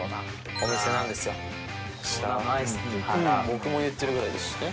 僕も言ってるぐらいですしね。